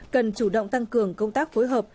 cần chủ động tăng cường công tác phối hợp